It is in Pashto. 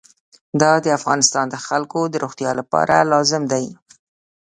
دا د افغانستان د خلکو د روغتیا لپاره لازم دی.